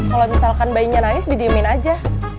kalau misalkan bayinya nangis didiemin aja